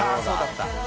そうだった。